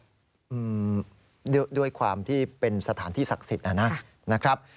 อืมด้วยความที่เป็นสถานที่ศักดิ์ศิษฐ์อ่ะนะ